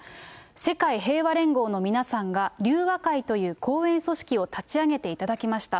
世界平和連合の皆さんが隆和会という後援組織を立ち上げていただきました。